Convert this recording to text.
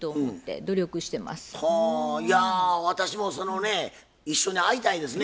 はあいや私もそのね一緒に会いたいですね。